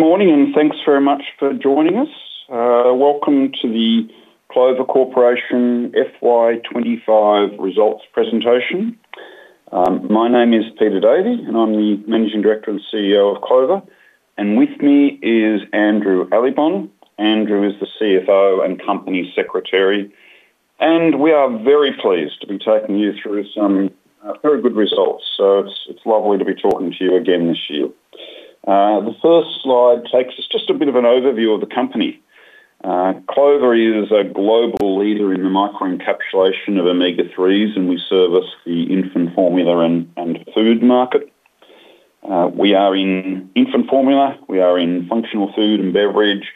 Good morning, and thanks very much for joining us. Welcome to the Clover Corporation FY2025 results presentation. My name is Peter Davey, and I'm the Managing Director and CEO of Clover. With me is Andrew Allibon. Andrew is the CFO and Company Secretary, and we are very pleased to be taking you through some very good results. It's lovely to be talking to you again this year. The first slide takes us just a bit of an overview of the company. Clover is a global leader in the microencapsulation of omega-3s, and we service the infant formula and food market. We are in infant formula, we are in functional food and beverage,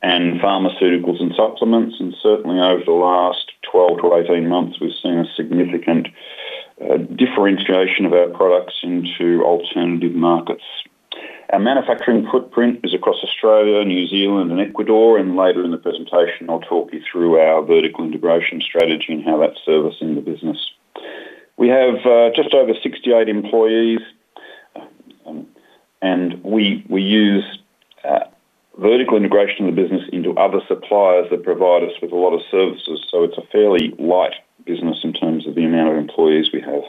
and pharmaceuticals and supplements. Certainly, over the last 12 to 18 months, we've seen a significant differentiation of our products into alternative markets. Our manufacturing footprint is across Australia, New Zealand, and Ecuador. Later in the presentation, I'll talk you through our vertical integration strategy and how that's servicing the business. We have just over 68 employees, and we use vertical integration in the business into other suppliers that provide us with a lot of services. It's a fairly light business in terms of the amount of employees we have.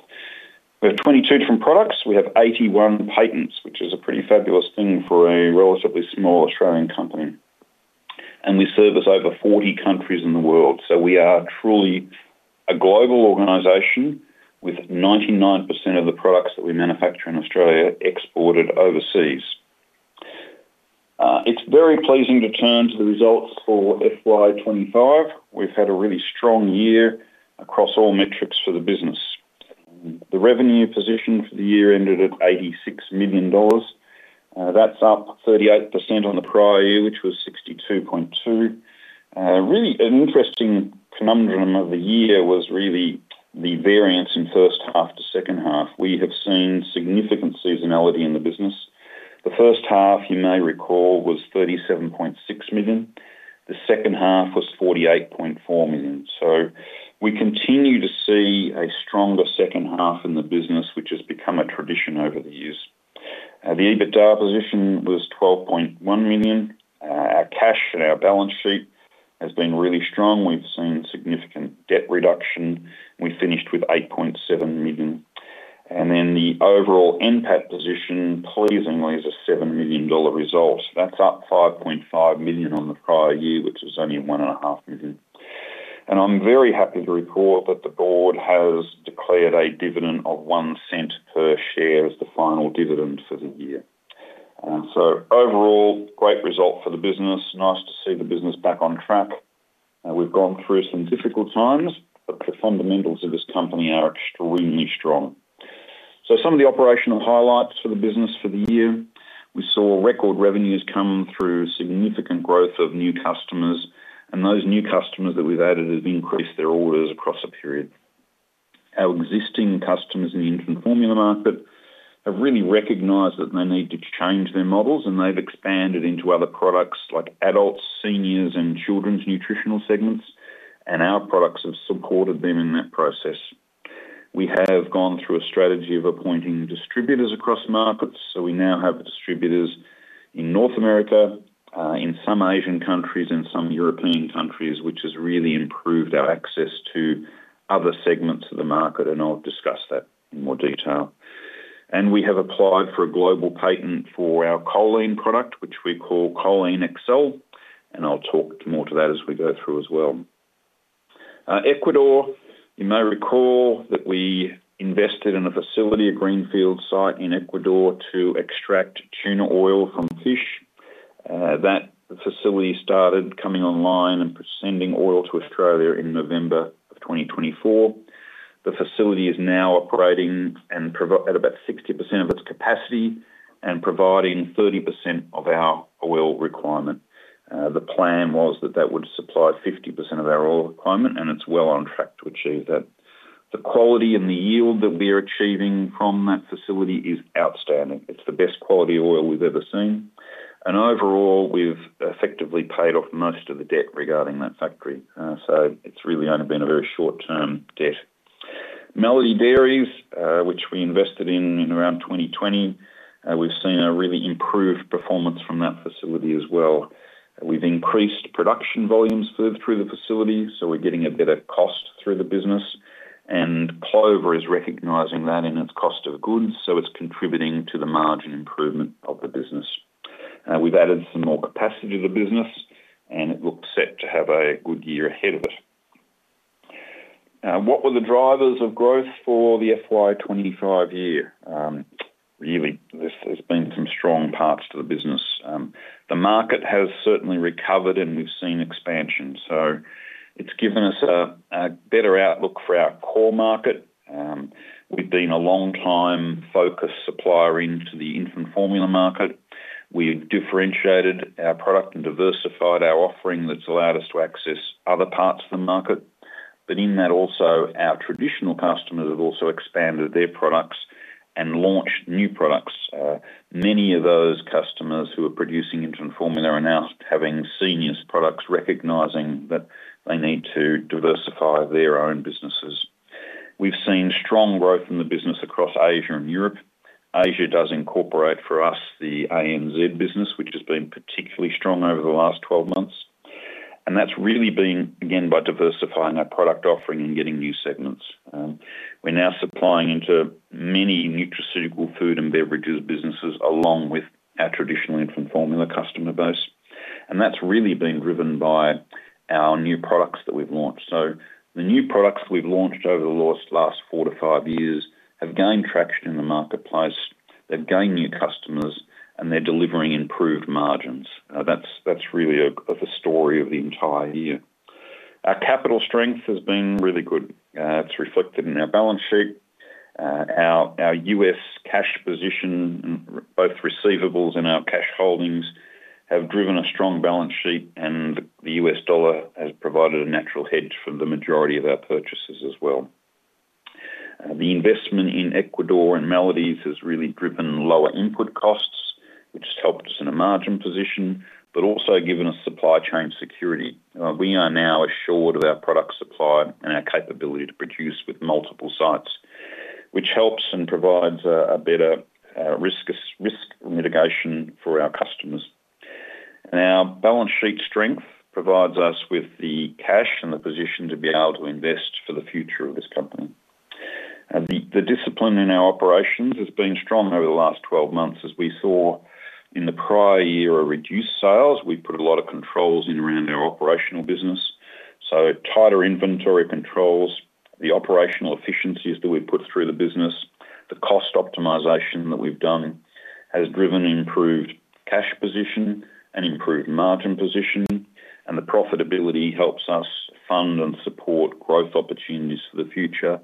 We have 22 different products. We have 81 patents, which is a pretty fabulous thing for a relatively small Australian company. We service over 40 countries in the world. We are truly a global organization with 99% of the products that we manufacture in Australia exported overseas. It's very pleasing to turn to the results for FY2025. We've had a really strong year across all metrics for the business. The revenue position for the year ended at $86 million. That's up 38% on the prior year, which was $62.2 million. An interesting conundrum of the year was really the variance in first half to second half. We have seen significant seasonality in the business. The first half, you may recall, was $37.6 million. The second half was $48.4 million. We continue to see a stronger second half in the business, which has become a tradition over the years. The EBITDA position was $12.1 million. Our cash and our balance sheet has been really strong. We've seen significant debt reduction. We finished with $8.7 million. The overall NPAT position, pleasingly, is a $7 million result. That's up $5.5 million on the prior year, which was only $1.5 million. I'm very happy to report that the board has declared a dividend of $0.01 per share as the final dividend for the year. Overall, great result for the business. Nice to see the business back on track. We've gone through some difficult times, but the fundamentals of this company are extremely strong. Some of the operational highlights for the business for the year: we saw record revenues come through, significant growth of new customers, and those new customers that we've added have increased their orders across a period. Our existing customers in the infant formula market have really recognized that they need to change their models, and they've expanded into other products like adults, seniors, and children's nutritional segments. Our products have supported them in that process. We have gone through a strategy of appointing distributors across markets. We now have distributors in North America, in some Asian countries, and some European countries, which has really improved our access to other segments of the market. I'll discuss that in more detail. We have applied for a global patent for our choline product, which we call CholineXL. I'll talk more to that as we go through as well. Ecuador, you may recall that we invested in a facility, a greenfield site in Ecuador, to extract tuna oil from fish. That facility started coming online and sending oil to Australia in November of 2024. The facility is now operating at about 60% of its capacity and providing 30% of our oil requirement. The plan was that that would supply 50% of our oil requirement, and it's well on track to achieve that. The quality and the yield that we are achieving from that facility is outstanding. It's the best quality oil we've ever seen. Overall, we've effectively paid off most of the debt regarding that factory. It's really only been a very short-term debt. Melody Dairies, which we invested in around 2020, we've seen a really improved performance from that facility as well. We've increased production volumes through the facility, so we're getting a better cost through the business, and Clover is recognizing that in its cost of goods. It's contributing to the margin improvement of the business. We've added some more capacity to the business, and it looks set to have a good year ahead of it. What were the drivers of growth for the FY25 year? Really, there's been some strong parts to the business. The market has certainly recovered, and we've seen expansion. It's given us a better outlook for our core market. We've been a long-time focused supplier into the infant formula market. We've differentiated our product and diversified our offering that's allowed us to access other parts of the market. In that, also, our traditional customers have also expanded their products and launched new products. Many of those customers who are producing infant formula are now having seniors' products, recognizing that they need to diversify their own businesses. We've seen strong growth in the business across Asia and Europe. Asia does incorporate for us the ANZ business, which has been particularly strong over the last 12 months. That's really been, again, by diversifying our product offering and getting new segments. We're now supplying into many nutritional food and beverages businesses along with our traditional infant formula customer base. That's really been driven by our new products that we've launched. The new products that we've launched over the last four to five years have gained traction in the marketplace. They've gained new customers, and they're delivering improved margins. That's really the story of the entire year. Our capital strength has been really good. It's reflected in our balance sheet. Our U.S. cash position, both receivables and our cash holdings, have driven a strong balance sheet, and the U.S. dollar has provided a natural hedge for the majority of our purchases as well. The investment in Ecuador and Melody Dairies has really driven lower input costs, which has helped us in a margin position, but also given us supply chain security. We are now assured of our product supply and our capability to produce with multiple sites, which helps and provides a better risk mitigation for our customers. Our balance sheet strength provides us with the cash and the position to be able to invest for the future of this company. The discipline in our operations has been strong over the last 12 months as we saw in the prior year a reduced sales. We put a lot of controls in around our operational business. Tighter inventory controls, the operational efficiencies that we put through the business, the cost optimization that we've done has driven improved cash position and improved margin position. The profitability helps us fund and support growth opportunities for the future.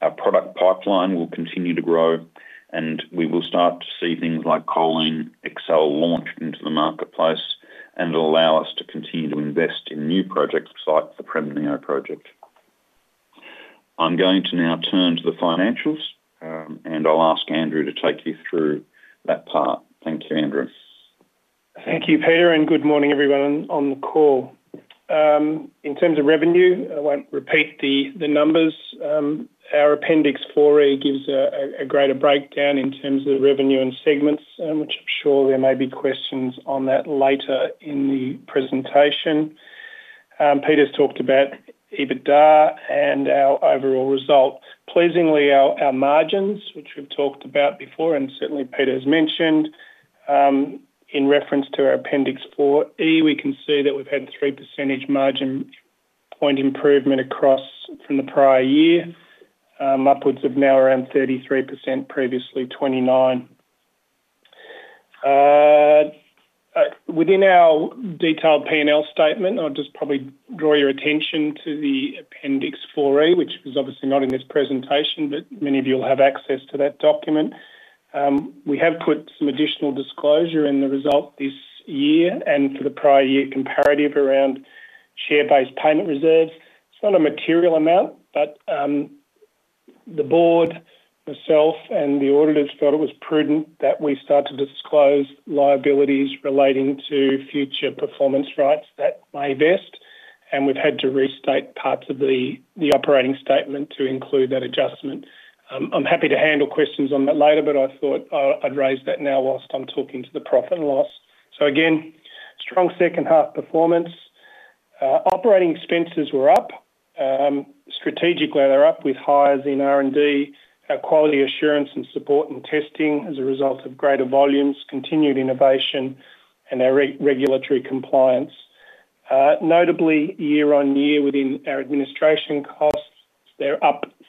Our product pipeline will continue to grow, and we will start to see things like CholineXL launched into the marketplace and allow us to continue to invest in new projects like the Prem Neo project. I'm going to now turn to the financials, and I'll ask Andrew to take you through that part. Thank you, Andrew. Thank you, Peter, and good morning, everyone, on the call. In terms of revenue, I won't repeat the numbers. Our Appendix 4A gives a greater breakdown in terms of revenue and segments, which I'm sure there may be questions on that later in the presentation. Peter's talked about EBITDA and our overall result. Pleasingly, our margins, which we've talked about before and certainly Peter's mentioned, in reference to our Appendix 4E, we can see that we've had 3% margin point improvement across from the prior year, upwards of now around 33%, previously 29%. Within our detailed P&L statement, I'll just probably draw your attention to the Appendix 4A, which is obviously not in this presentation, but many of you will have access to that document. We have put some additional disclosure in the result this year and for the prior year comparative around share-based payment reserves. It's not a material amount, but the board itself and the auditors felt it was prudent that we started to disclose liabilities relating to future performance rights that lay best. We've had to restate parts of the operating statement to include that adjustment. I'm happy to handle questions on that later, but I thought I'd raise that now whilst I'm talking to the profit and loss. Again, strong second-half performance. Operating expenses were up. Strategically, they're up with hires in R&D, quality assurance, and support and testing as a result of greater volumes, continued innovation, and our regulatory compliance. Notably, year-on-year within our administration costs, they're up significantly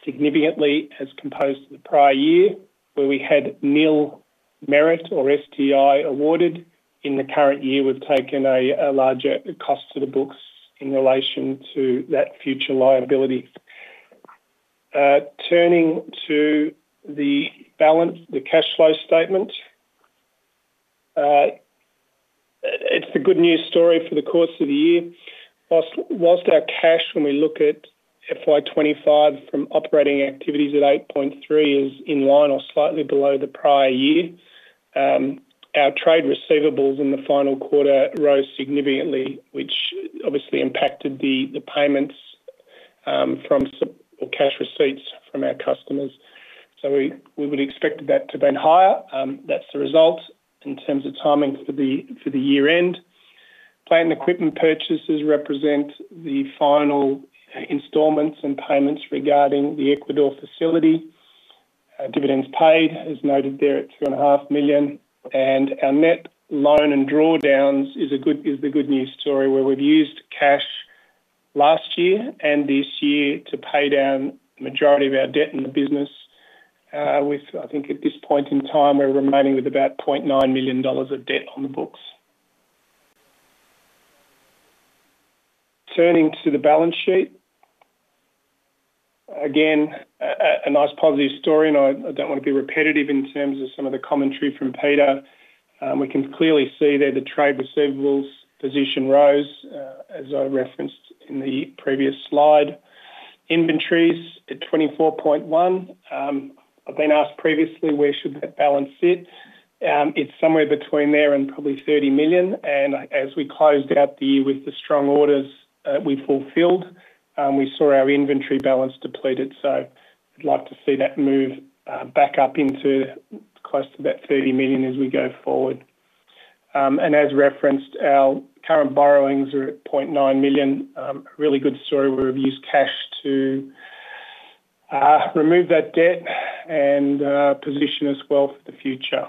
as compared to the prior year where we had nil merit or STI awarded. In the current year, we've taken a larger cost to the books in relation to that future liability. Turning to the balance, the cash flow statement, it's a good news story for the course of the year. Whilst our cash, when we look at FY2025 from operating activities at $8.3 million, is in line or slightly below the prior year, our trade receivables in the final quarter rose significantly, which obviously impacted the payments from cash receipts from our customers. We would expect that to be higher. That's the result in terms of timing for the year-end. Plant and equipment purchases represent the final installments and payments regarding the Ecuador facility. Dividends paid, as noted there, at $2.5 million. Our net loan and drawdowns is the good news story where we've used cash last year and this year to pay down the majority of our debt in the business. At this point in time, we're remaining with about $0.9 million of debt on the books. Turning to the balance sheet, again, a nice positive story. I don't want to be repetitive in terms of some of the commentary from Peter. We can clearly see that the trade receivables position rose, as I referenced in the previous slide. Inventories at $24.1 million. I've been asked previously where should that balance sit. It's somewhere between there and probably $30 million. As we closed out the year with the strong orders we fulfilled, we saw our inventory balance depleted. I'd like to see that move back up into close to that $30 million as we go forward. As referenced, our current borrowings are at $0.9 million. A really good story where we've used cash to remove that debt and position us well for the future.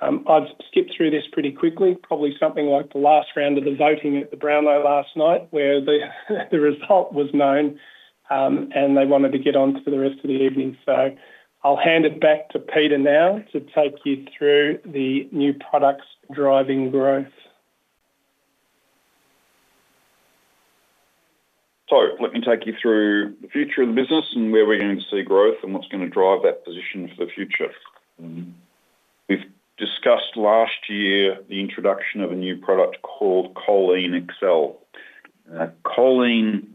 I've skipped through this pretty quickly, probably something like the last round of the voting at the Brown Eye last night where the result was known and they wanted to get on for the rest of the evening. I'll hand it back to Peter now to take you through the new products driving growth. Let me take you through the future of the business and where we're going to see growth and what's going to drive that position for the future. We've discussed last year the introduction of a new product called CholineXL. Choline,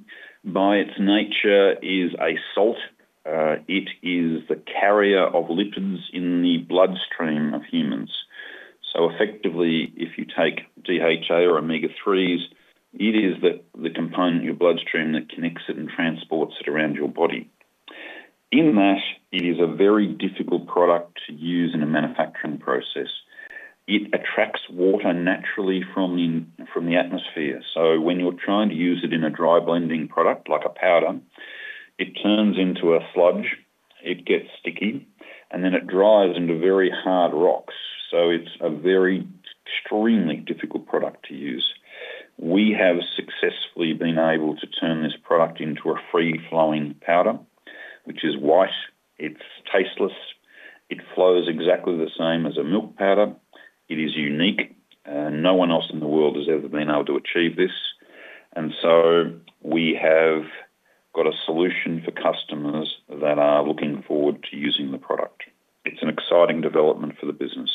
by its nature, is a salt. It is the carrier of lipids in the bloodstream of humans. Effectively, if you take DHA or omega-3s, it is the component in your bloodstream that connects it and transports it around your body. In that, it is a very difficult product to use in a manufacturing process. It attracts water naturally from the atmosphere. When you're trying to use it in a dry blending product like a powder, it turns into a sludge. It gets sticky, and then it dries into very hard rocks. It's a very extremely difficult product to use. We have successfully been able to turn this product into a free-flowing powder, which is white. It's tasteless. It flows exactly the same as a milk powder. It is unique. No one else in the world has ever been able to achieve this. We have got a solution for customers that are looking forward to using the product. It's an exciting development for the business.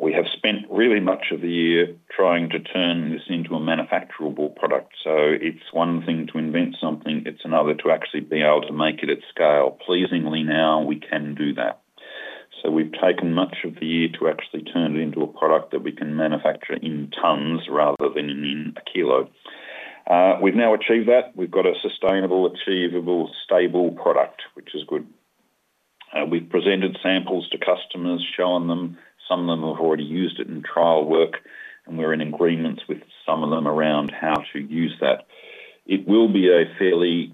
We have spent really much of the year trying to turn this into a manufacturable product. It's one thing to invent something. It's another to actually be able to make it at scale. Pleasingly, now we can do that. We've taken much of the year to actually turn it into a product that we can manufacture in tons rather than in a kilo. We've now achieved that. We've got a sustainable, achievable, stable product, which is good. We've presented samples to customers, shown them. Some of them have already used it in trial work, and we're in agreement with some of them around how to use that. It will be a fairly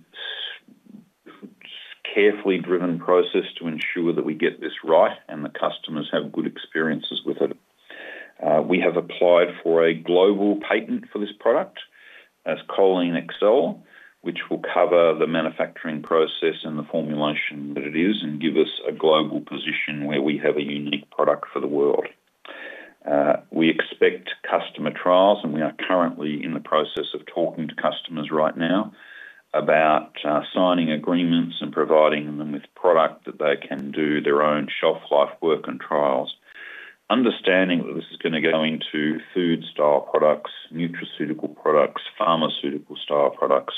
carefully driven process to ensure that we get this right and the customers have good experiences with it. We have applied for a global patent for this product as CholineXL, which will cover the manufacturing process and the formulation that it is and give us a global position where we have a unique product for the world. We expect customer trials, and we are currently in the process of talking to customers right now about signing agreements and providing them with product that they can do their own shelf-life work and trials, understanding that this is going to go into food-style products, nutraceutical products, pharmaceutical-style products,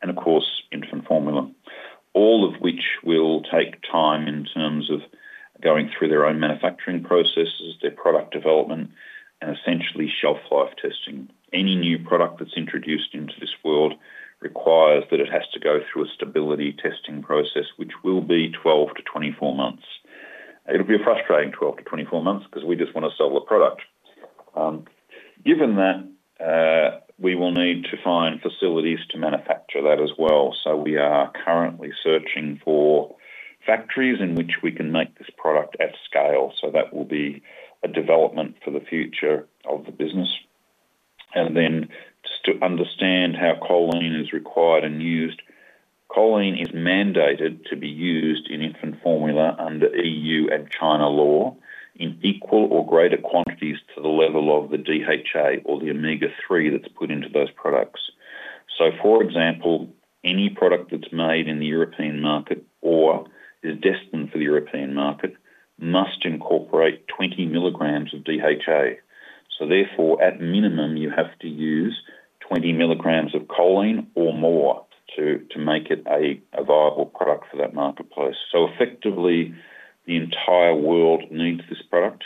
and of course, infant formula, all of which will take time in terms of going through their own manufacturing processes, their product development, and essentially shelf-life testing. Any new product that's introduced into this world requires that it has to go through a stability testing process, which will be 12 to 24 months. It will be a frustrating 12 to 24 months because we just want to sell the product. Given that, we will need to find facilities to manufacture that as well. We are currently searching for factories in which we can make this product at scale. That will be a development for the future of the business. Just to understand how choline is required and used, choline is mandated to be used in infant formula under EU and China law in equal or greater quantities to the level of the DHA or the omega-3 that's put into those products. For example, any product that's made in the European market or is destined for the European market must incorporate 20 milligrams of DHA. Therefore, at minimum, you have to use 20 milligrams of choline or more to make it a viable product for that marketplace. Effectively, the entire world needs this product.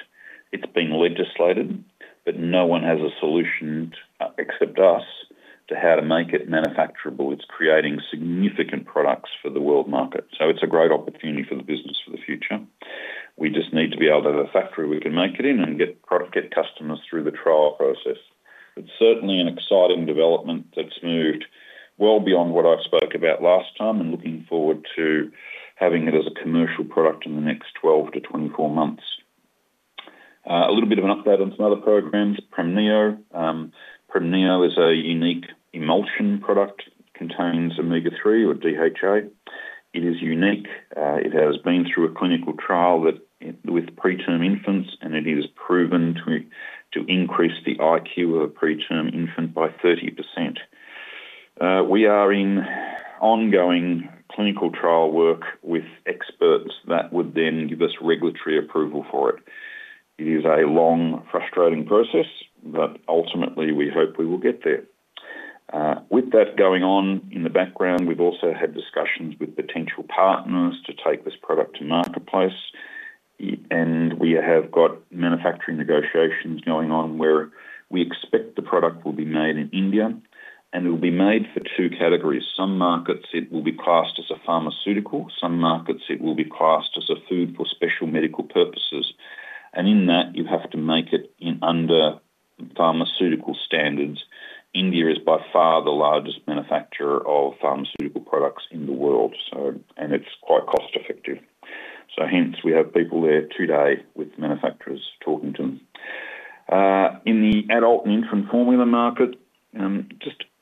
It's been legislated, but no one has a solution except us to how to make it manufacturable. It's creating significant products for the world market. It's a great opportunity for the business for the future. We just need to be able to have a factory we can make it in and get customers through the trial process. It's certainly an exciting development that's moved well beyond what I've spoken about last time and looking forward to having it as a commercial product in the next 12 to 24 months. A little bit of an update on some other programs, Prem Neo. Prem Neo is a unique emulsion product. It contains omega-3 or DHA. It is unique. It has been through a clinical trial with preterm infants, and it is proven to increase the IQ of a preterm infant by 30%. We are in ongoing clinical trial work with experts that would then give us regulatory approval for it. It is a long, frustrating process, but ultimately, we hope we will get there. With that going on in the background, we've also had discussions with potential partners to take this product to the marketplace. We have got manufacturing negotiations going on where we expect the product will be made in India, and it will be made for two categories. In some markets, it will be classed as a pharmaceutical. In some markets, it will be classed as a food for special medical purposes. In that, you have to make it under pharmaceutical standards. India is by far the largest manufacturer of pharmaceutical products in the world, and it's quite cost-effective. We have people there today with manufacturers talking to them. In the adult and infant formula market,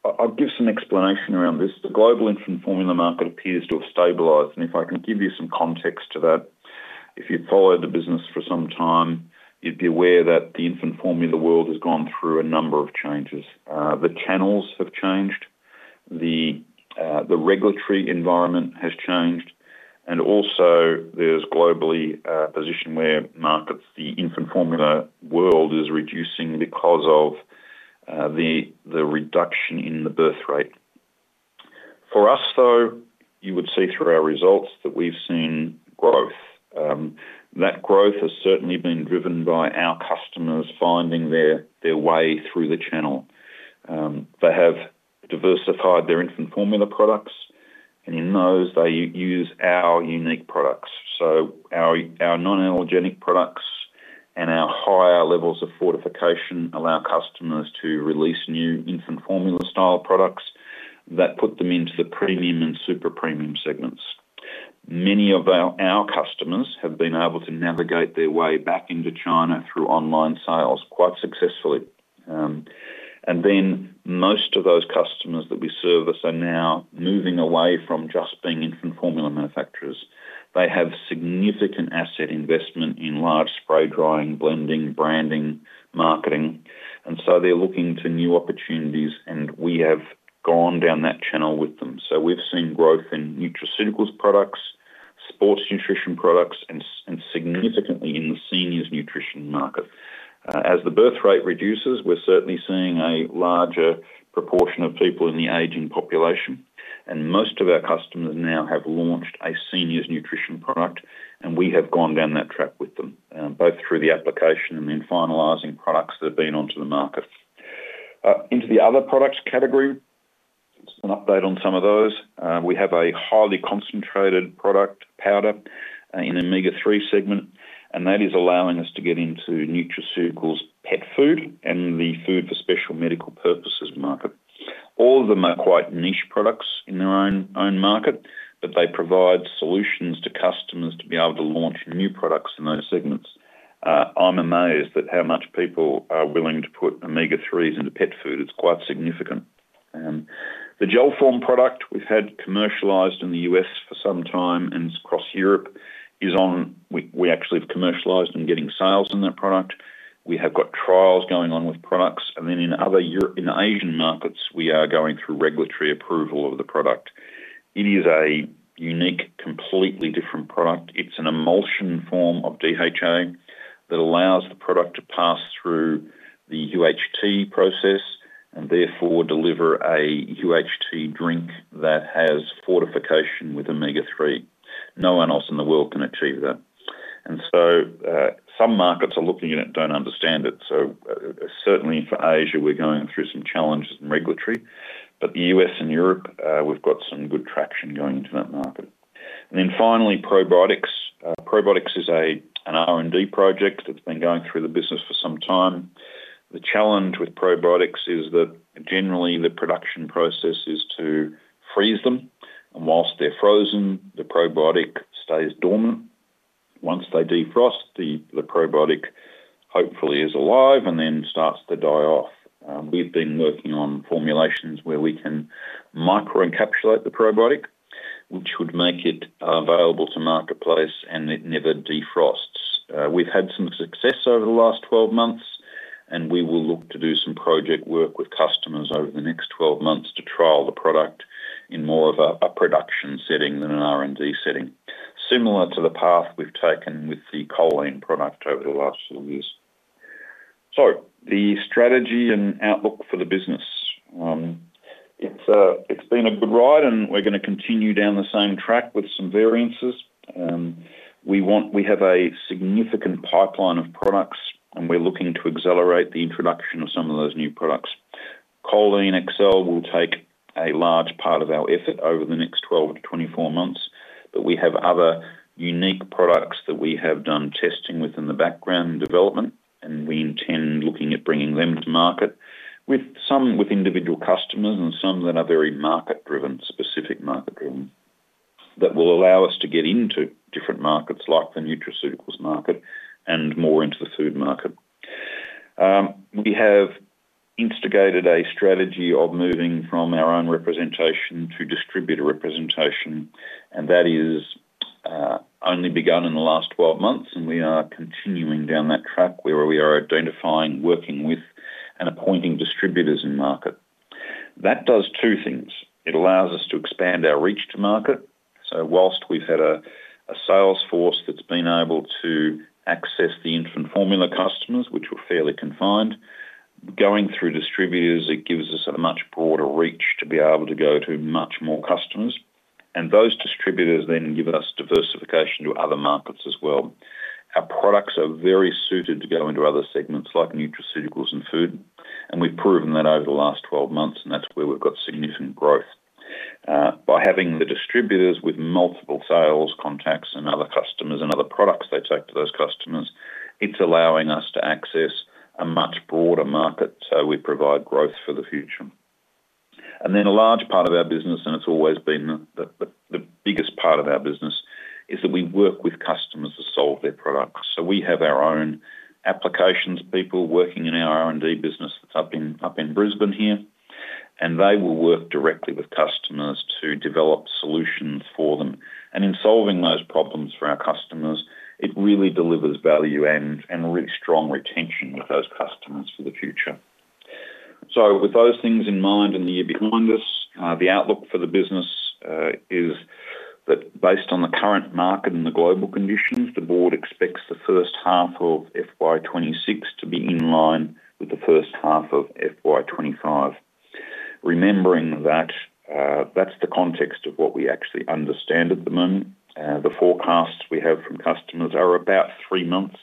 I'll give some explanation around this. The global infant formula market appears to have stabilized. If I can give you some context to that, if you've followed the business for some time, you'd be aware that the infant formula world has gone through a number of changes. The channels have changed. The regulatory environment has changed. There's globally a position where markets, the infant formula world, is reducing because of the reduction in the birth rate. For us, though, you would see through our results that we've seen growth. That growth has certainly been driven by our customers finding their way through the channel. They have diversified their infant formula products. In those, they use our unique products. Our non-allergenic products and our higher levels of fortification allow customers to release new infant formula-style products that put them into the premium and super premium segments. Many of our customers have been able to navigate their way back into China through online sales quite successfully. Most of those customers that we service are now moving away from just being infant formula manufacturers. They have significant asset investment in large spray drying, blending, branding, marketing. They're looking for new opportunities, and we have gone down that channel with them. We've seen growth in nutraceuticals products, sports nutrition products, and significantly in the seniors' nutrition market. As the birth rate reduces, we're certainly seeing a larger proportion of people in the aging population. Most of our customers now have launched a seniors' nutrition product, and we have gone down that track with them, both through the application and then finalizing products that have been onto the market. Into the other products category, an update on some of those. We have a highly concentrated product powder in the omega-3 segment, and that is allowing us to get into nutraceuticals, pet food, and the food for special medical purposes market. All of them are quite niche products in their own market, but they provide solutions to customers to be able to launch new products in those segments. I'm amazed at how much people are willing to put omega-3s into pet food. It's quite significant. The gel form product we've had commercialized in the U.S. for some time and across Europe is on. We actually have commercialized and getting sales in that product. We have got trials going on with products. In other Asian markets, we are going through regulatory approval of the product. It is a unique, completely different product. It's an emulsion form of DHA that allows the product to pass through the UHT process and therefore deliver a UHT drink that has fortification with omega-3. No one else in the world can achieve that. Some markets are looking at it and don't understand it. Certainly for Asia, we're going through some challenges in regulatory. The U.S. and Europe, we've got some good traction going into that market. Finally, probiotics. Probiotics is an R&D project that's been going through the business for some time. The challenge with probiotics is that generally the production process is to freeze them. Whilst they're frozen, the probiotic stays dormant. Once they defrost, the probiotic hopefully is alive and then starts to die off. We've been working on formulations where we can microencapsulate the probiotic, which would make it available to the marketplace and it never defrosts. We've had some success over the last 12 months, and we will look to do some project work with customers over the next 12 months to trial the product in more of a production setting than an R&D setting, similar to the path we've taken with the choline product over the last few years. The strategy and outlook for the business, it's been a good ride, and we're going to continue down the same track with some variances. We have a significant pipeline of products, and we're looking to accelerate the introduction of some of those new products. CholineXL will take a large part of our effort over the next 12 to 24 months, but we have other unique products that we have done testing with in the background and development, and we intend looking at bringing them to market, some with individual customers and some that are very market-driven, specific market-driven that will allow us to get into different markets like the nutraceuticals market and more into the food market. We have instigated a strategy of moving from our own representation to distributor representation, and that has only begun in the last 12 months. We are continuing down that track where we are identifying, working with, and appointing distributors in the market. That does two things. It allows us to expand our reach to market. Whilst we've had a sales force that's been able to access the infant formula customers, which were fairly confined, going through distributors gives us a much broader reach to be able to go to much more customers. Those distributors then give us diversification to other markets as well. Our products are very suited to go into other segments like nutraceuticals and food, and we've proven that over the last 12 months, and that's where we've got significant growth. By having the distributors with multiple sales contacts and other customers and other products they take to those customers, it's allowing us to access a much broader market. We provide growth for the future. A large part of our business, and it's always been the biggest part of our business, is that we work with customers to solve their products. We have our own applications people working in our R&D business that's up in Brisbane here, and they will work directly with customers to develop solutions for them. In solving those problems for our customers, it really delivers value and really strong retention with those customers for the future. With those things in mind and the year behind us, the outlook for the business is that based on the current market and the global conditions, the board expects the first half of FY26 to be in line with the first half of FY25, remembering that that's the context of what we actually understand at the moment. The forecasts we have from customers are about three months.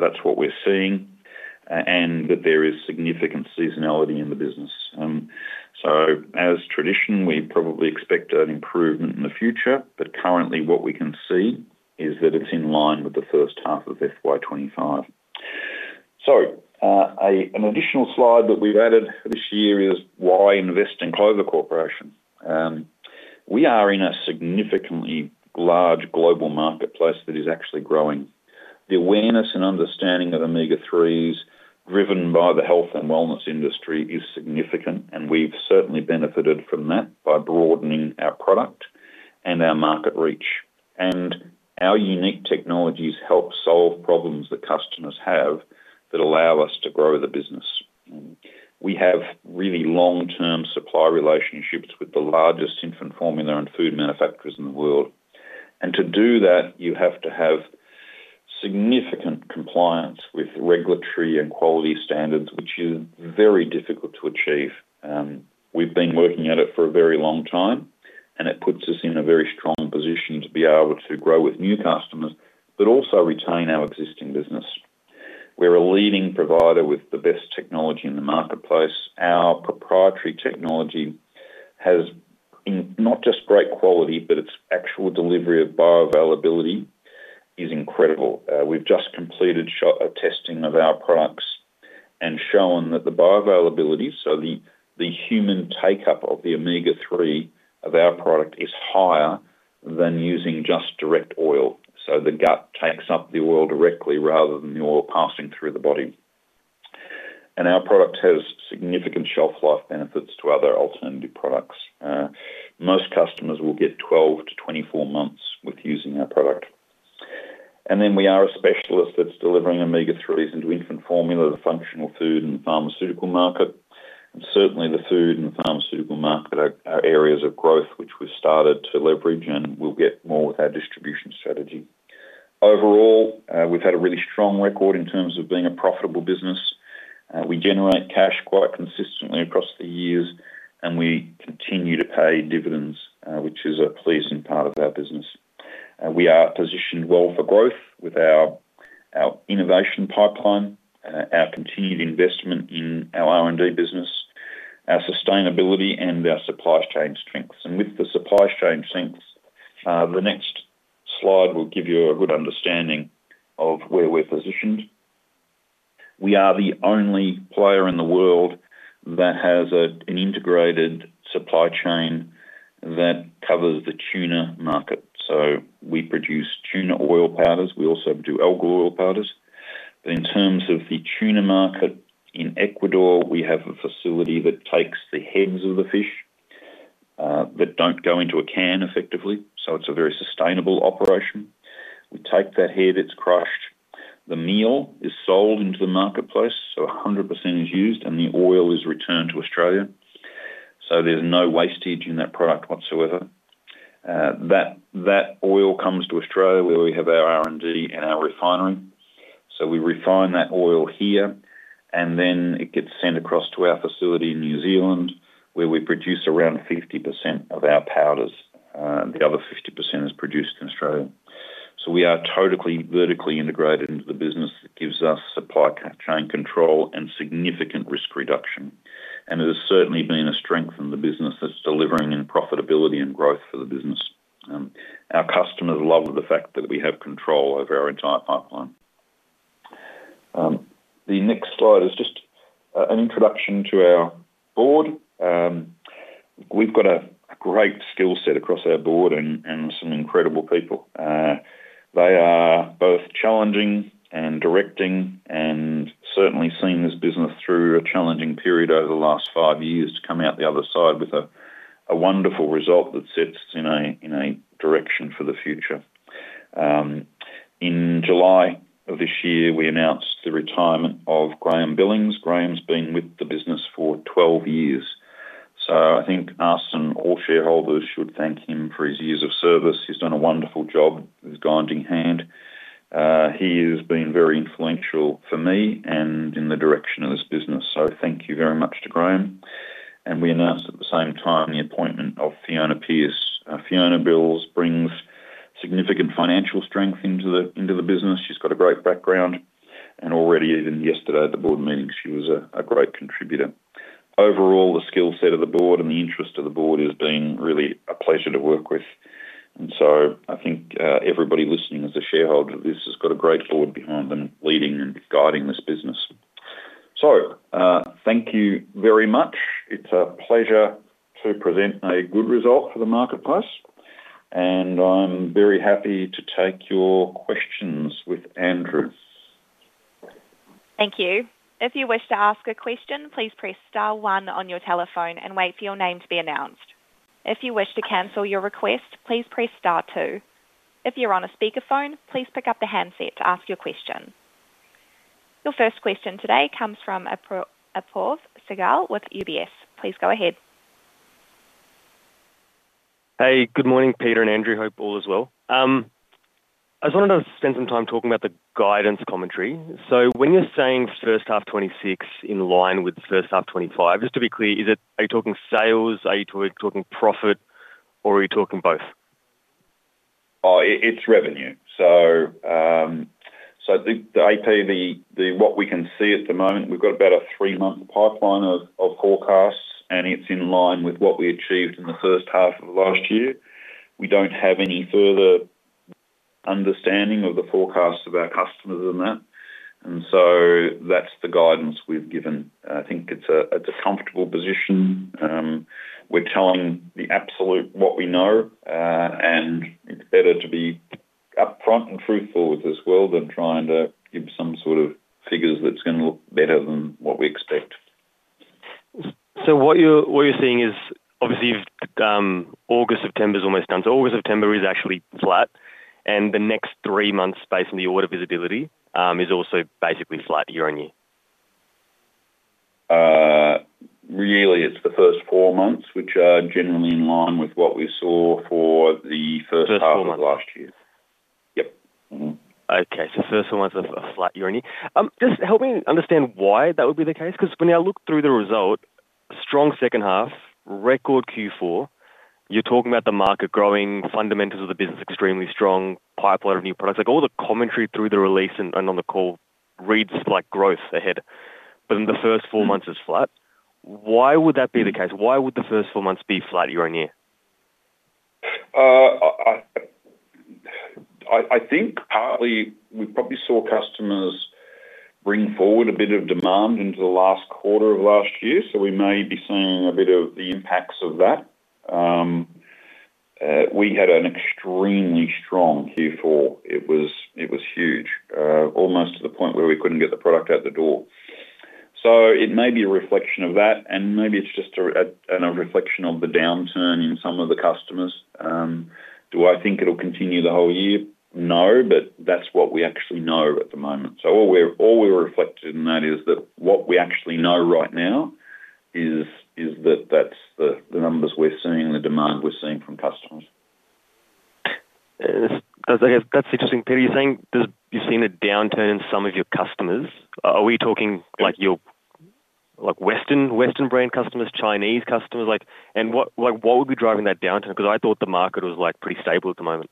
That's what we're seeing and that there is significant seasonality in the business. As tradition, we probably expect an improvement in the future, but currently, what we can see is that it's in line with the first half of FY2025. An additional slide that we've added this year is why invest in Clover Corporation. We are in a significantly large global marketplace that is actually growing. The awareness and understanding of omega-3s driven by the health and wellness industry is significant, and we've certainly benefited from that by broadening our product and our market reach. Our unique technologies help solve problems that customers have that allow us to grow the business. We have really long-term supply relationships with the largest infant formula and food manufacturers in the world. To do that, you have to have significant compliance with regulatory and quality standards, which is very difficult to achieve. We've been working at it for a very long time, and it puts us in a very strong position to be able to grow with new customers, but also retain our existing business. We're a leading provider with the best technology in the marketplace. Our proprietary technology has not just great quality, but its actual delivery of bioavailability is incredible. We've just completed a testing of our products and shown that the bioavailability, so the human take-up of the omega-3 of our product, is higher than using just direct oil. The gut takes up the oil directly rather than the oil passing through the body. Our product has significant shelf-life benefits to other alternative products. Most customers will get 12 to 24 months with using our product. We are a specialist that's delivering omega-3s into infant formula, the functional food, and the pharmaceutical market. Certainly, the food and the pharmaceutical market are areas of growth which we've started to leverage and will get more with our distribution strategy. Overall, we've had a really strong record in terms of being a profitable business. We generate cash quite consistently across the years, and we continue to pay dividends, which is a pleasing part of our business. We are positioned well for growth with our innovation pipeline, our continued investment in our R&D business, our sustainability, and our supply chain strengths. With the supply chain strengths, the next slide will give you a good understanding of where we're positioned. We are the only player in the world that has an integrated supply chain that covers the tuna market. We produce tuna oil powders. We also do algal oil powders. In terms of the tuna market in Ecuador, we have a facility that takes the heads of the fish that don't go into a can effectively. It is a very sustainable operation. We take that head, it's crushed, the meal is sold into the marketplace. 100% is used, and the oil is returned to Australia. There is no wastage in that product whatsoever. That oil comes to Australia where we have our R&D and our refinery. We refine that oil here, and then it gets sent across to our facility in New Zealand where we produce around 50% of our powders. The other 50% is produced in Australia. We are totally vertically integrated into the business. It gives us supply chain control and significant risk reduction. It has certainly been a strength in the business that's delivering in profitability and growth for the business. Our customers love the fact that we have control over our entire pipeline. The next slide is just an introduction to our board. We've got a great skill set across our board and some incredible people. They are both challenging and directing and have certainly seen this business through a challenging period over the last five years to come out the other side with a wonderful result that sets us in a direction for the future. In July of this year, we announced the retirement of Graham Billings. Graham's been with the business for 12 years. I think us and all shareholders should thank him for his years of service. He's done a wonderful job as a guiding hand. He has been very influential for me and in the direction of this business. Thank you very much to Graham. We announced at the same time the appointment of Fiona Pierce. Fiona Pierce brings significant financial strength into the business. She's got a great background. Already even yesterday at the board meeting, she was a great contributor. Overall, the skill set of the board and the interest of the board has been really a pleasure to work with. I think everybody listening as a shareholder of this has got a great board behind them leading and guiding this business. Thank you very much. It's a pleasure to present a good result for the marketplace. I'm very happy to take your questions with Andrew. Thank you. If you wish to ask a question, please press star one on your telephone and wait for your name to be announced. If you wish to cancel your request, please press star two. If you're on a speakerphone, please pick up the handset to ask your question. Your first question today comes from Apoth Segal with UBS. Please go ahead. Hey, good morning, Peter and Andrew. Hope all is well. I just wanted to spend some time talking about the guidance commentary. When you're saying first half 2026 in line with first half 2025, just to be clear, are you talking sales? Are you talking profit? Or are you talking both? It's revenue. The AP, what we can see at the moment, we've got about a three-month pipeline of forecasts, and it's in line with what we achieved in the first half of last year. We don't have any further understanding of the forecasts of our customers than that. That's the guidance we've given. I think it's a comfortable position. We're telling the absolute what we know, and it's better to be upfront and truthful with this world than trying to give some sort of figures that's going to look better than what we expect. August, September is almost done. August, September is actually flat, and the next three months, based on the audit visibility, is also basically flat year on year. Really, it's the first four months, which are generally in line with what we saw for the first half of last year. Okay. The first four months are flat year on year. Just help me understand why that would be the case. When I look through the result, strong second half, record Q4. You're talking about the market growing, fundamentals of the business extremely strong, pipeline of new products. All the commentary through the release and on the call reads like growth ahead. In the first four months, it's flat. Why would that be the case? Why would the first four months be flat year on year? I think partly we probably saw customers bring forward a bit of demand into the last quarter of last year. We may be seeing a bit of the impacts of that. We had an extremely strong Q4. It was huge, almost to the point where we couldn't get the product out the door. It may be a reflection of that, and maybe it's just a reflection of the downturn in some of the customers. Do I think it'll continue the whole year? No, but that's what we actually know at the moment. All we're reflecting in that is that what we actually know right now is that that's the numbers we're seeing, the demand we're seeing from customers. That's interesting, Peter. You're saying you've seen a downturn in some of your customers. Are we talking like your Western brand customers, Chinese customers? What would be driving that downturn? I thought the market was pretty stable at the moment.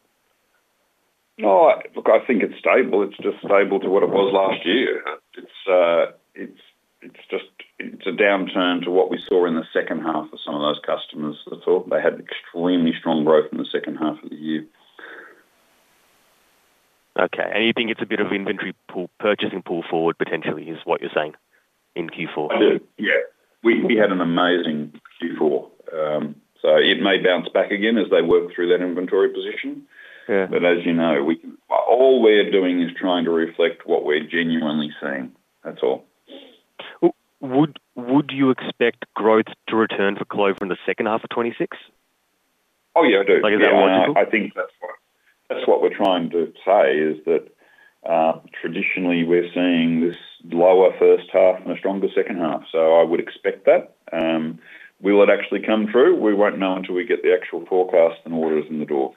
I think it's stable. It's just stable to what it was last year. It's just a downturn to what we saw in the second half of some of those customers that thought they had extremely strong growth in the second half of the year. Okay, you think it's a bit of inventory purchasing pull forward, potentially, is what you're saying in Q4? Yeah. We had an amazing Q4. It may bounce back again as they work through that inventory position. As you know, all we're doing is trying to reflect what we're genuinely seeing. That's all. Would you expect growth to return for Clover Corporation in the second half of 2026? Oh, yeah, I do. Is that logical? I think that's what we're trying to say is that traditionally, we're seeing this lower first half and a stronger second half. I would expect that. Will it actually come through? We won't know until we get the actual forecast and orders in the door.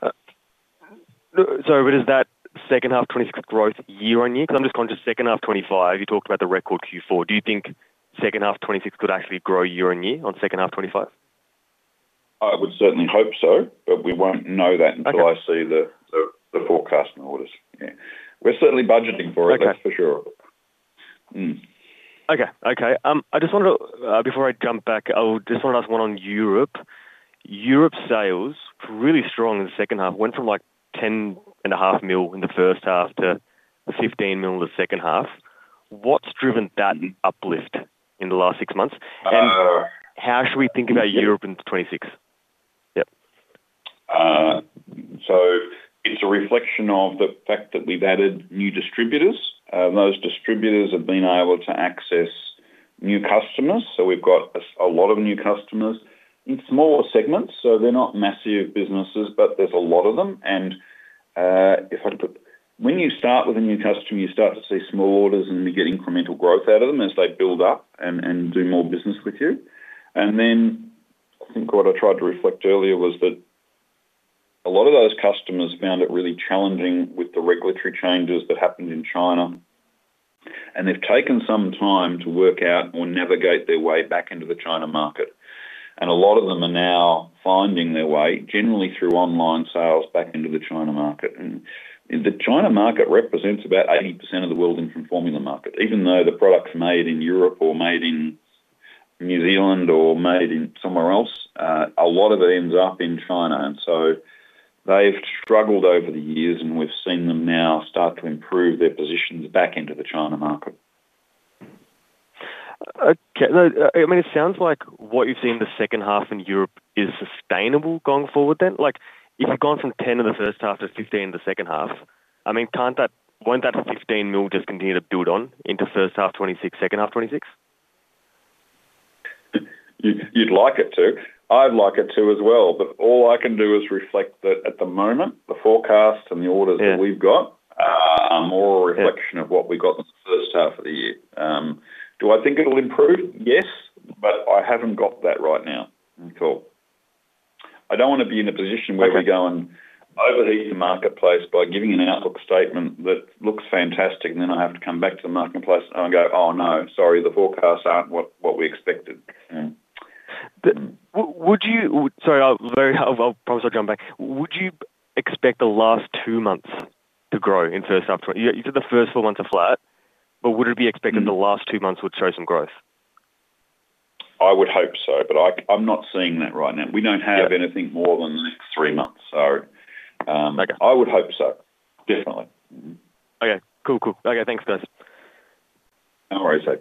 Is that second half 2026 growth year on year? I'm just going to second half 2025. You talked about the record Q4. Do you think second half 2026 could actually grow year on year on second half 2025? I would certainly hope so, but we won't know that until I see the forecast and orders. We're certainly budgeting for it, that's for sure. Okay. I just wanted to, before I jump back, I just want to ask one on Europe. Europe's sales were really strong in the second half. It went from $10.5 million in the first half to $15 million in the second half. What's driven that uplift in the last six months? How should we think about Europe in 2026? It is a reflection of the fact that we've added new distributors. Those distributors have been able to access new customers. We've got a lot of new customers in small segments. They're not massive businesses, but there's a lot of them. When you start with a new customer, you start to see small orders and you get incremental growth out of them as they build up and do more business with you. I think what I tried to reflect earlier was that a lot of those customers found it really challenging with the regulatory changes that happened in China. They've taken some time to work out or navigate their way back into the China market. A lot of them are now finding their way generally through online sales back into the China market. The China market represents about 80% of the world's infant formula market. Even though the products are made in Europe or made in New Zealand or made in somewhere else, a lot of it ends up in China. They've struggled over the years, and we've seen them now start to improve their positions back into the China market. Okay. I mean, it sounds like what you've seen in the second half in Europe is sustainable going forward then. Like if you've gone from $10 million in the first half to $15 million in the second half, I mean, won't that $15 million just continue to build on into first half 2026, second half 2026? You'd like it to. I'd like it to as well. All I can do is reflect that at the moment, the forecast and the orders that we've got are more a reflection of what we've got in the first half of the year. Do I think it'll improve? Yes, but I haven't got that right now. I don't want to be in a position where we go and overheat the marketplace by giving an outlook statement that looks fantastic, and then I have to come back to the marketplace and go, "Oh, no, sorry, the forecasts aren't what we expected." Would you. Would you expect the last two months to grow in first half? You said the first four months are flat, but would it be expected the last two months would show some growth? I would hope so, but I'm not seeing that right now. We don't have anything more than three months, so I would hope so. Definitely. Okay. Cool, cool. Okay. Thanks, guys. No worries, sir.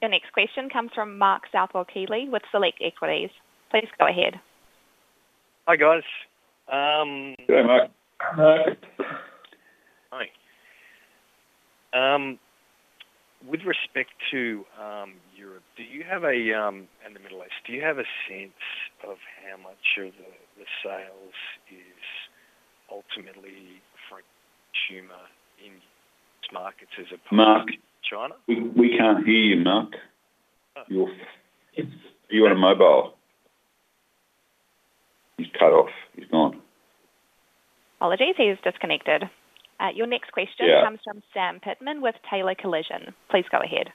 Your next question comes from Mark Southwalk Healy with Select Equities. Please go ahead. Hi, guys. Hi, Mark. Hi. With respect to Europe and the Middle East, do you have a sense of how much of the sales is ultimately from consumer markets as a market in China? We can't hear you, Mark. You're on a mobile. He's cut off. He's gone. Apologies. He was disconnected. Your next question comes from Sam Pittman with Taylor Collision. Please go ahead.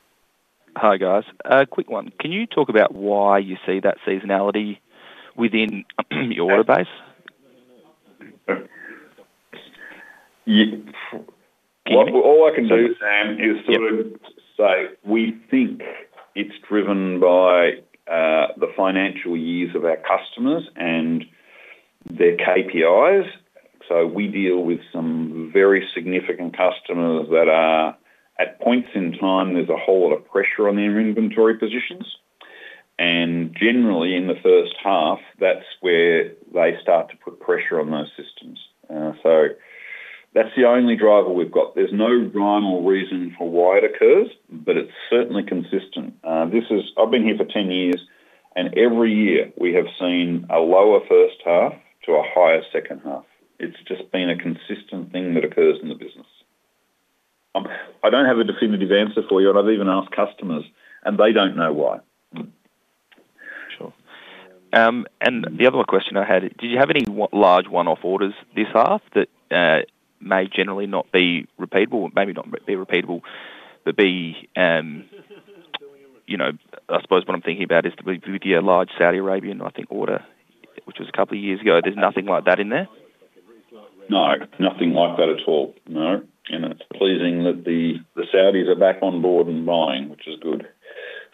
Hi, guys. A quick one. Can you talk about why you see that seasonality within your order base? All I can do, Sam, is to say we think it's driven by the financial years of our customers and their KPIs. We deal with some very significant customers that are at points in time there's a whole lot of pressure on their inventory positions. Generally, in the first half, that's where they start to put pressure on those systems. That's the only driver we've got. There's no rhyme or reason for why it occurs, but it's certainly consistent. I've been here for 10 years, and every year we have seen a lower first half to a higher second half. It's just been a consistent thing that occurs in the business. I don't have a definitive answer for you, and I've even asked customers, and they don't know why. Sure. The other question I had, do you have any large one-off orders this half that may generally not be repeatable, maybe not be repeatable, but be, you know, I suppose what I'm thinking about is the beauty of a large Saudi Arabian, I think, order, which was a couple of years ago. There's nothing like that in there? No, nothing like that at all. No. It's pleasing that the Saudis are back on board and buying, which is good.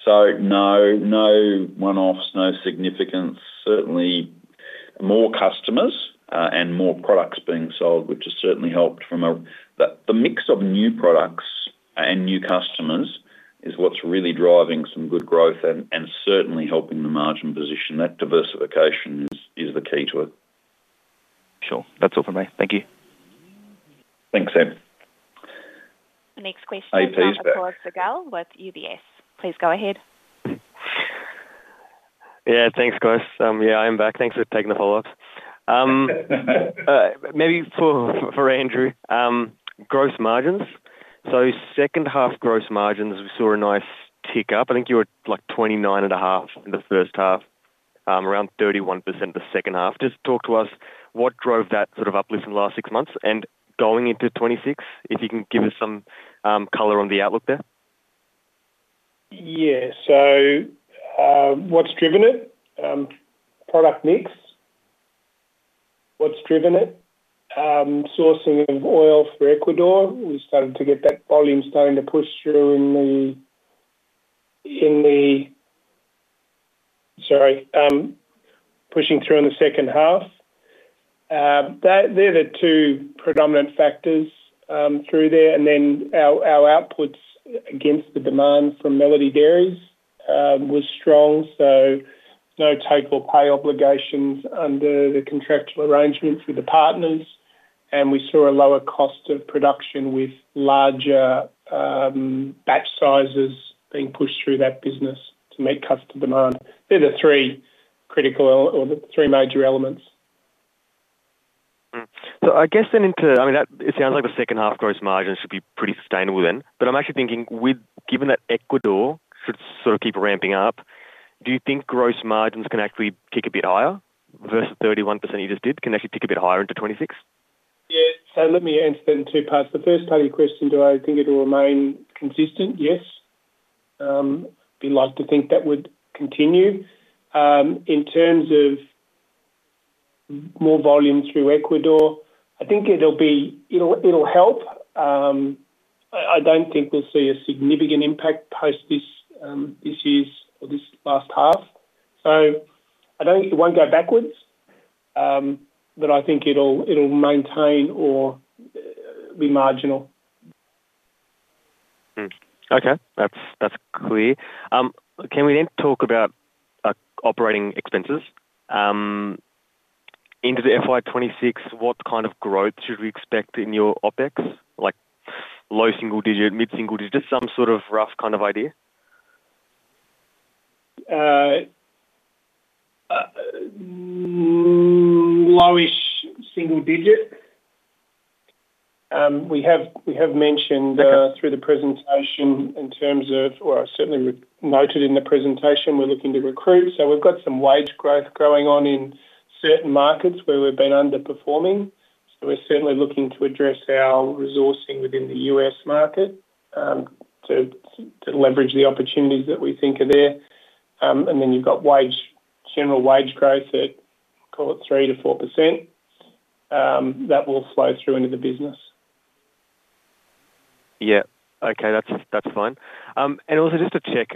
No one-offs, no significance. Certainly, more customers and more products being sold, which has certainly helped from the mix of new products and new customers is what's really driving some good growth and certainly helping the margin position. That diversification is the key to it. Sure. That's all for me. Thank you. Thanks, Sam. Next question is from Apollos Segal with UBS. Please go ahead. Yeah, thanks, guys. I'm back. Thanks for taking the follow-ups. Maybe for Andrew, gross margins. Second half gross margins, we saw a nice tick up. I think you were at like 29.5% in the first half, around 31% in the second half. Just talk to us, what drove that sort of uplift in the last six months and going into 2026, if you can give us some color on the outlook there? Yeah. What's driven it? Product mix. What's driven it? Sourcing of oil for Ecuador. We started to get that volume pushing through in the second half. They're the two predominant factors through there. Our outputs against the demand from Melody Dairies was strong. No take or pay obligations under the contractual arrangements with the partners. We saw a lower cost of production with larger batch sizes being pushed through that business to meet customer demand. They're the three critical or the three major elements. I guess then into, I mean, it sounds like the second half gross margins should be pretty sustainable. I'm actually thinking, given that Ecuador should sort of keep ramping up, do you think gross margins can actually tick a bit higher versus the 31% you just did, can actually tick a bit higher into 2026? Let me answer that in two parts. The first part of your question, do I think it'll remain consistent? Yes. I'd like to think that would continue. In terms of more volume through Ecuador, I think it'll help. I don't think we'll see a significant impact post this year's or this last half. I don't think it won't go backwards, but I think it'll maintain or be marginal. Okay. That's clear. Can we then talk about operating expenses? Into the FY2026, what kind of growth should we expect in your OpEx, like low single digit, mid-single digit, some sort of rough kind of idea? Lowish single digit. I have mentioned through the presentation in terms of, or I certainly noted in the presentation, we're looking to recruit. We've got some wage growth going on in certain markets where we've been underperforming. We're certainly looking to address our resourcing within the U.S. market to leverage the opportunities that we think are there. You've got general wage growth at, call it, 3% to 4% that will flow through into the business. Okay, that's fine. Just to check,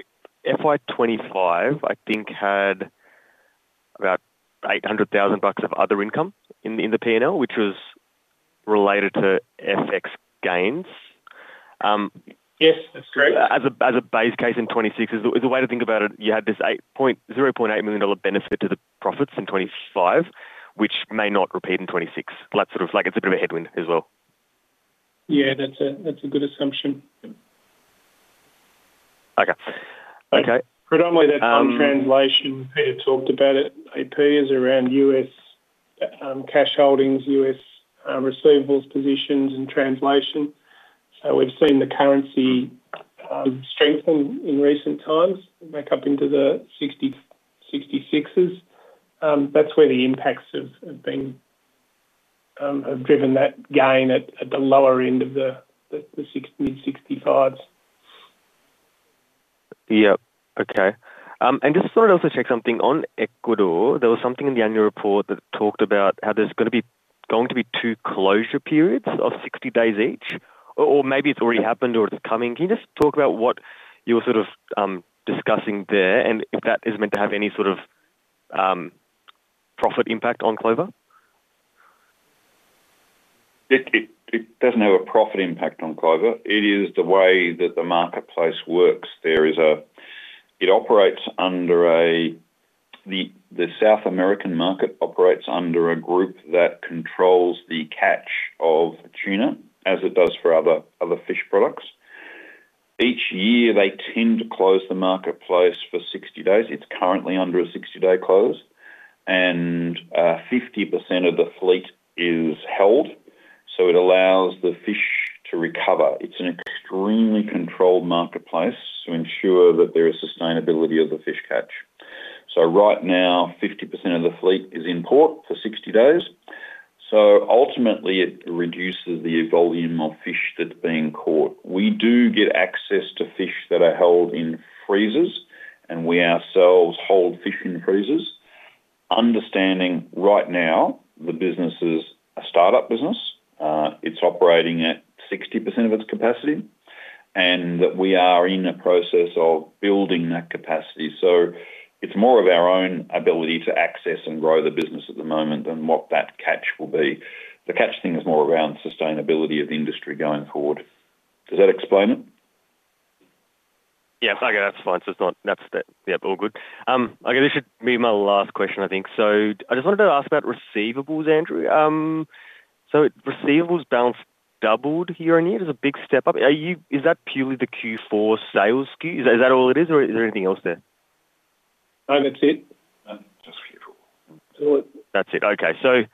FY2025, I think had about $800,000 of other income in the P&L, which was related to FX gains. Yes, that's correct. As a base case in 2026, is the way to think about it, you had this $0.8 million benefit to the profits in 2025, which may not repeat in 2026. That's sort of like it's a bit of a headwind as well. Yeah, that's a good assumption. Okay. Predominantly, that's on translation. Peter talked about it. AP is around U.S. cash holdings, U.S. receivables positions, and translation. We've seen the currency strengthen in recent times, back up into the 66s. That's where the impacts have been, have driven that gain at the lower end of the mid-65s. Okay. Just to check something on Ecuador, there was something in the annual report that talked about how there's going to be two closure periods of 60 days each, or maybe it's already happened or it's coming. Can you talk about what you're discussing there and if that is meant to have any sort of profit impact on Clover Corporation? It doesn't have a profit impact on Clover Corporation. It is the way that the marketplace works. The South American market operates under a group that controls the catch of tuna as it does for other fish products. Each year, they tend to close the marketplace for 60 days. It's currently under a 60-day close, and 50% of the fleet is held. It allows the fish to recover. It's an extremely controlled marketplace to ensure that there is sustainability of the fish catch. Right now, 50% of the fleet is in port for 60 days. Ultimately, it reduces the volume of fish that's being caught. We do get access to fish that are held in freezers, and we ourselves hold fish in freezers, understanding right now the business is a startup business. It's operating at 60% of its capacity and we are in the process of building that capacity. It's more of our own ability to access and grow the business at the moment than what that catch will be. The catch thing is more around sustainability of the industry going forward. Does that explain it? Okay, that's fine. That's that. All good. This should be my last question, I think. I just wanted to ask about receivables, Andrew. Receivables balance doubled year on year. There's a big step up. Is that purely the Q4 sales skew? Is that all it is, or is there anything else there? Oh, that's it. Just careful. That's all of it.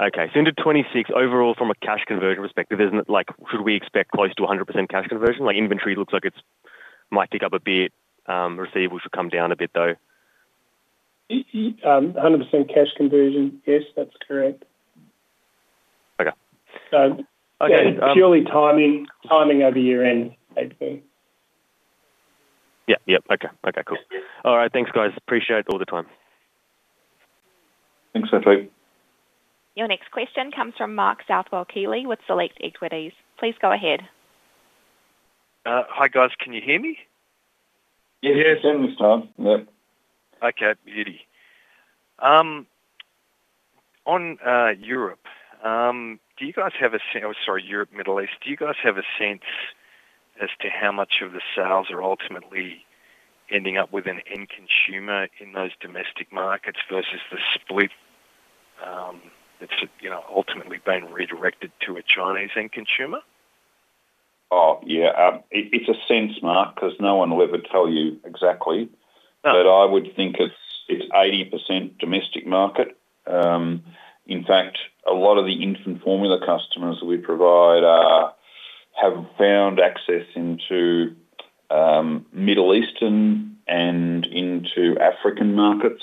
Okay. Into 2026, overall, from a cash conversion perspective, should we expect close to 100% cash conversion? Inventory looks like it might tick up a bit. Receivables should come down a bit, though. 100% cash conversion, yes, that's correct. Okay. Okay, it's purely timing over year-end, maybe. Yeah. Okay. Cool. All right. Thanks, guys. Appreciate all the time. Thanks, Sophie. Your next question comes from Mark Southwalk Healy with Select Equities. Please go ahead. Hi, guys. Can you hear me? Yes. Yes, hearing this time. Yeah. Okay. On Europe, do you guys have a sense, or sorry, Europe, Middle East, do you guys have a sense as to how much of the sales are ultimately ending up with an end consumer in those domestic markets versus the split that's ultimately being redirected to a Chinese end consumer? Oh, yeah. It's a sense, Mark, because no one will ever tell you exactly. I would think it's 80% domestic market. In fact, a lot of the infant formula customers that we provide have found access into Middle Eastern and into African markets.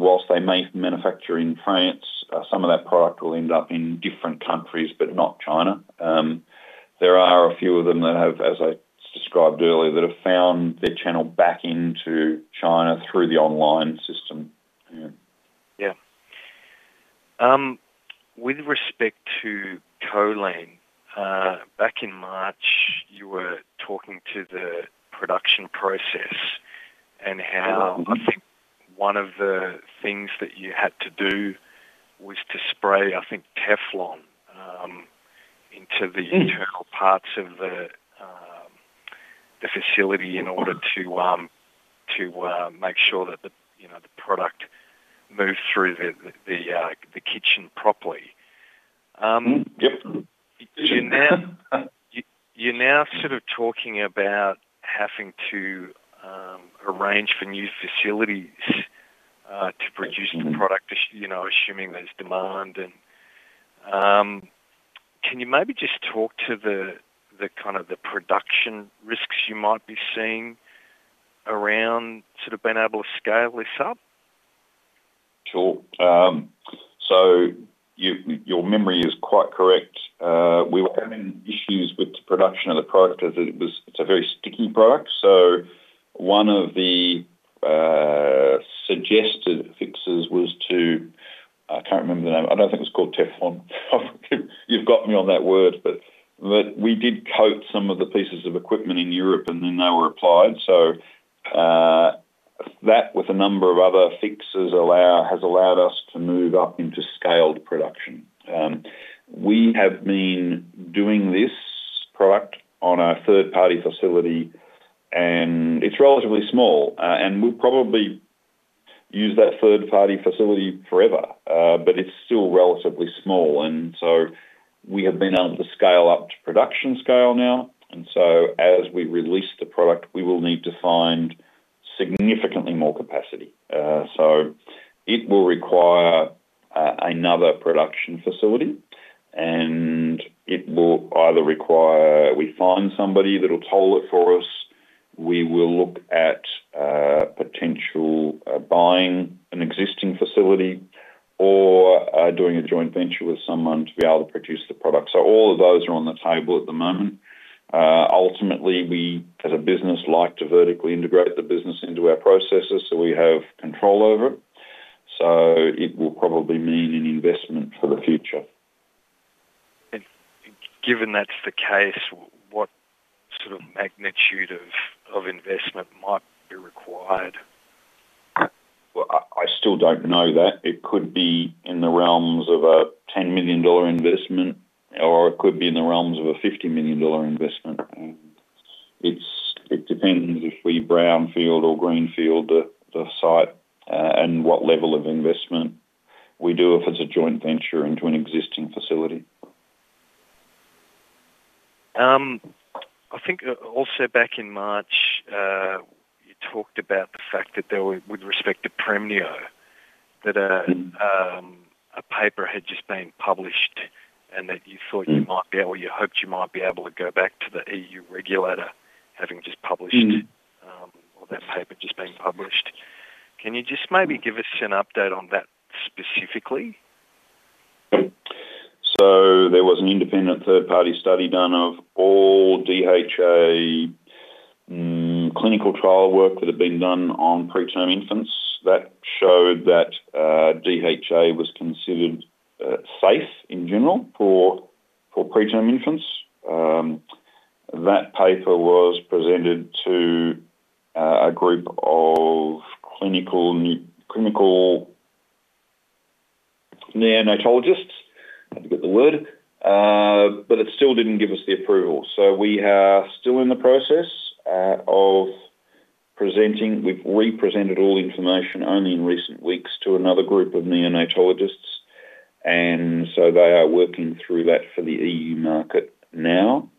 Whilst they may manufacture in France, some of that product will end up in different countries, but not China. There are a few of them that have, as I described earlier, found their channel back into China through the online system. Yeah. With respect to choline, back in March, you were talking to the production process and how I think one of the things that you had to do was to spray, I think, Teflon into the parts of the facility in order to make sure that the product moves through the kitchen properly. Yep. You're now sort of talking about having to arrange for new facilities to produce the product, assuming there's demand. Can you maybe just talk to the kind of the production risks you might be seeing around being able to scale this up? Sure. Your memory is quite correct. We were having issues with the production of the product because it was, it's a very sticky product. One of the suggested fixes was to, I can't remember the name. I don't think it was called Teflon. You've got me on that word, but we did coat some of the pieces of equipment in Europe, and then they were applied. That, with a number of other fixes, has allowed us to move up into scaled production. We have been doing this product on a third-party facility, and it's relatively small. We've probably used that third-party facility forever, but it's still relatively small. We have been able to scale up to production scale now. As we release the product, we will need to find significantly more capacity. It will require another production facility, and it will either require we find somebody that'll toll it for us, we will look at potentially buying an existing facility, or doing a joint venture with someone to be able to produce the product. All of those are on the table at the moment. Ultimately, we, as a business, like to vertically integrate the business into our processes so we have control over it. It will probably mean an investment for the future. Given that's the case, what sort of magnitude of investment might be required? I still don't know that. It could be in the realms of a $10 million investment, or it could be in the realms of a $50 million investment. It depends if we brownfield or greenfield the site and what level of investment we do if it's a joint venture into an existing facility. I think also back in March, you talked about the fact that there were, with respect to Prem Neo, that a paper had just been published and that you thought you might be, or you hoped you might be able to go back to the EU regulator having just published or their paper just been published. Can you just maybe give us an update on that specifically? There was an independent third-party study done of all DHA clinical trial work that had been done on preterm infants that showed that DHA was considered safe in general for preterm infants. That paper was presented to a group of clinical neonatologists. I forgot the word. It still didn't give us the approval. We are still in the process of presenting. We've re-presented all information only in recent weeks to another group of neonatologists. They are working through that for the EU market now.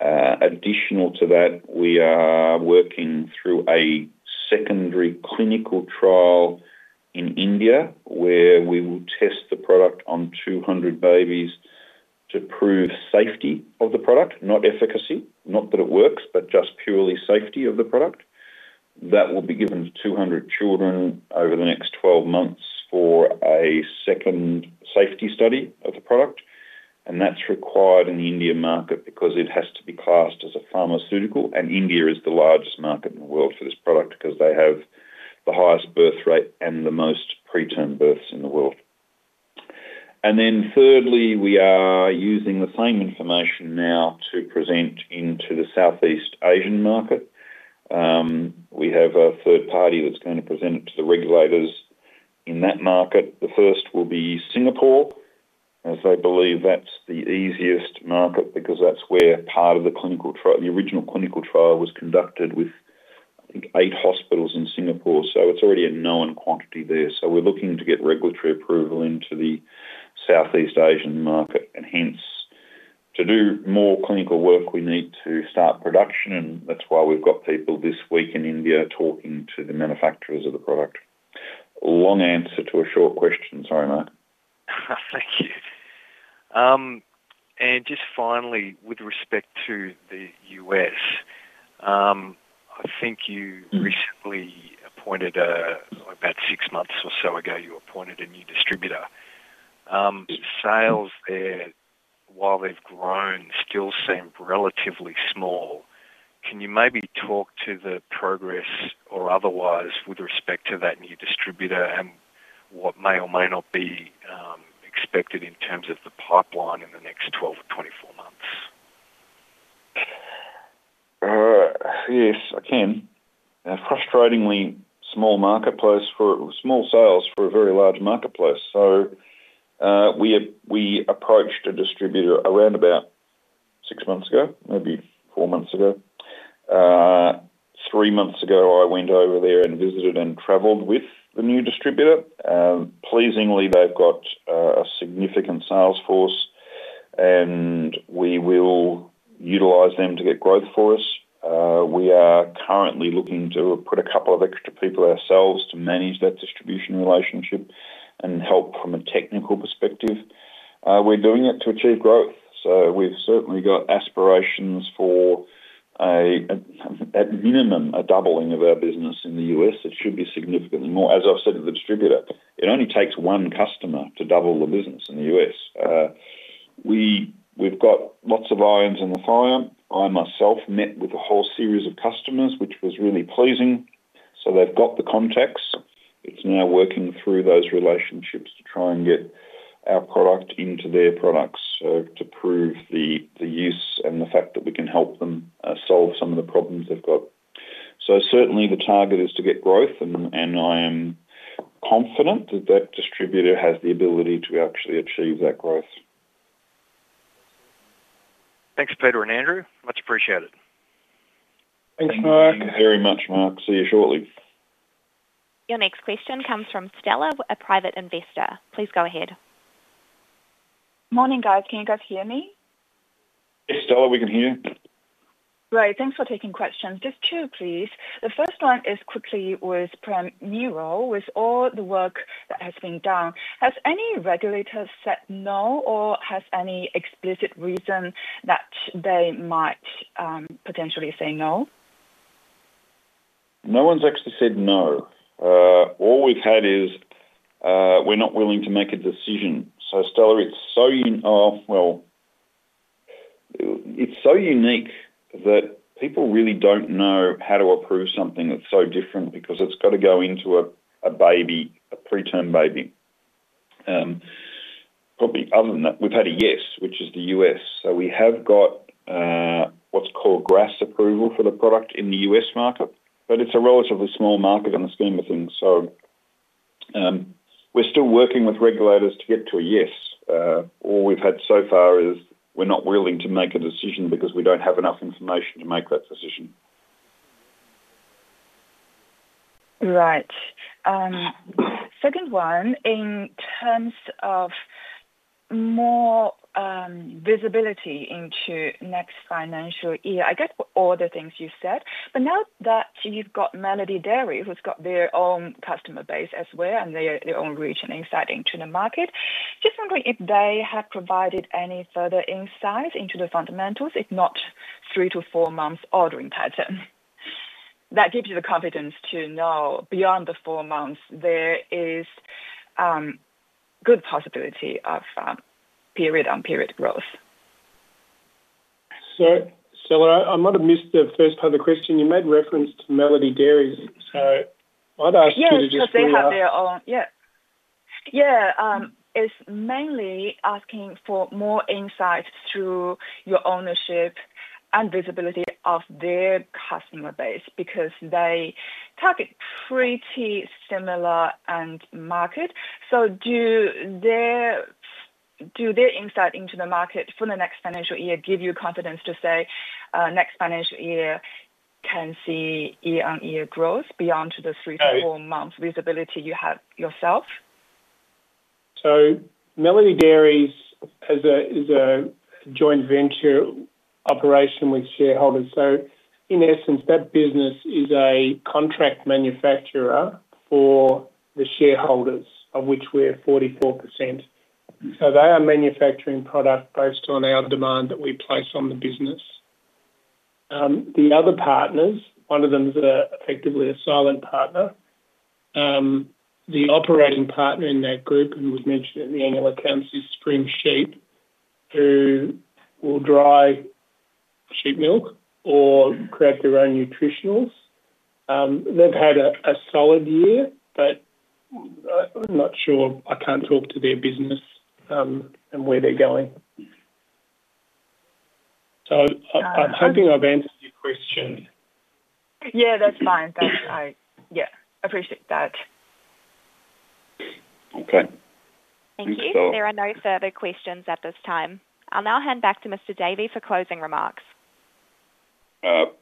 Additional to that, we are working through a secondary clinical trial in India where we will test the product on 200 babies to prove safety of the product, not efficacy, not that it works, but just purely safety of the product. That will be given to 200 children over the next 12 months for a second safety study of the product. That's required in the Indian market because it has to be classed as a pharmaceutical. India is the largest market in the world for this product because they have the highest birth rate and the most preterm births in the world. Thirdly, we are using the same information now to present into the Southeast Asian market. We have a third party that's going to present it to the regulators in that market. The first will be Singapore, as they believe that's the easiest market because that's where part of the clinical trial, the original clinical trial was conducted with, I think, eight hospitals in Singapore. It's already a known quantity there. We're looking to get regulatory approval into the Southeast Asian market. Hence, to do more clinical work, we need to start production. That's why we've got people this week in India talking to the manufacturers of the product. A long answer to a short question. Sorry, Mark. Thank you. Just finally, with respect to the U.S., I think you recently appointed, about six months or so ago, you appointed a new distributor. Sales there, while they've grown, still seem relatively small. Can you maybe talk to the progress or otherwise with respect to that new distributor and what may or may not be expected in terms of the pipeline in the next 12 to 24 months? Yes, I can. A frustratingly small marketplace for small sales for a very large marketplace. We approached a distributor around about six months ago, maybe four months ago. Three months ago, I went over there and visited and traveled with the new distributor. Pleasingly, they've got a significant sales force, and we will utilize them to get growth for us. We are currently looking to put a couple of extra people ourselves to manage that distribution relationship and help from a technical perspective. We're doing it to achieve growth. We've certainly got aspirations for, at minimum, a doubling of our business in the U.S. It should be significantly more. As I've said to the distributor, it only takes one customer to double the business in the U.S. We've got lots of irons in the fire. I, myself, met with a whole series of customers, which was really pleasing. They've got the contacts. It's now working through those relationships to try and get our product into their products to prove the use and the fact that we can help them solve some of the problems they've got. Certainly, the target is to get growth, and I am confident that that distributor has the ability to actually achieve that growth. Thanks, Peter and Andrew. Much appreciated. Thanks, Mark. Thank you very much, Mark. See you shortly. Your next question comes from Stella, a private investor. Please go ahead. Morning, guys. Can you guys hear me? Yes, Stella, we can hear you. Right. Thanks for taking questions. Just two, please. The first one is quickly with Prem Neo. With all the work that has been done, has any regulator said no, or has any explicit reason that they might potentially say no? No one's actually said no. All we've had is we're not willing to make a decision. Stella, it's so unique that people really don't know how to approve something that's so different because it's got to go into a baby, a preterm baby. Probably other than that, we've had a yes, which is the U.S. We have got what's called GRAS approval for the product in the U.S. market, but it's a relatively small market in the scheme of things. We're still working with regulators to get to a yes. All we've had so far is we're not willing to make a decision because we don't have enough information to make that decision. Right. Second one, in terms of more visibility into next financial year, I get all the things you said. Now that you've got Melody Dairies, who's got their own customer base as well and their own reach and insight into the market, just wondering if they have provided any further insights into the fundamentals, if not three to four months ordering pattern. That gives you the confidence to know beyond the four months, there is a good possibility of period-on-period growth. Yeah, I might have missed the first part of the question. You made reference to Melody Dairies. I'd ask you to just— Yeah, because they have their own. It's mainly asking for more insights through your ownership and visibility of their customer base because they target pretty similar markets. Do their insight into the market for the next financial year give you confidence to say next financial year can see year-on-year growth beyond the three to four months visibility you have yourself? Melody Dairies is a joint venture operation with shareholders. In essence, that business is a contract manufacturer for the shareholders, of which we're 44%. They are manufacturing products based on our demand that we place on the business. The other partners, one of them is effectively a silent partner. The operating partner in that group, who we've mentioned at the annual camps, is Spring Sheep, who will dry sheep milk or create their own nutritionals. They've had a solid year, but I'm not sure. I can't talk to their business and where they're going. I'm hoping I've answered your question. Yeah, that's fine. I appreciate that. Okay. Thank you. There are no further questions at this time. I'll now hand back to Mr. Davey for closing remarks.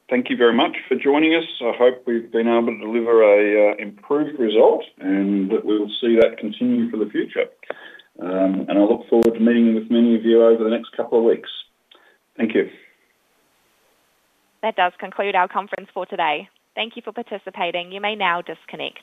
Thank you very much for joining us. I hope we've been able to deliver an improved result, and we'll see that continue for the future. I look forward to meeting with many of you over the next couple of weeks. Thank you. That does conclude our conference for today. Thank you for participating. You may now disconnect.